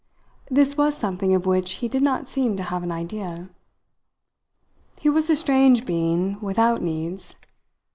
This was something of which he did not seem to have an idea. He was a strange being without needs.